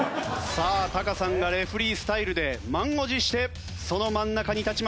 さあタカさんがレフェリースタイルで満を持してその真ん中に立ちました。